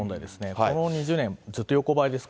この２０年、ずっと横ばいですか